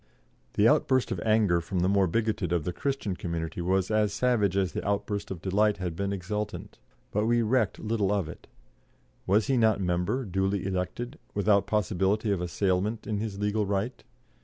] The outburst of anger from the more bigoted of the Christian community was as savage as the outburst of delight had been exultant, but we recked little of it. Was he not member, duly elected, without possibility of assailment in his legal right?